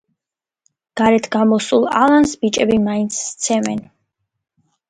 გარეთ გამოსულ ალანს ბიჭები მაინც სცემენ.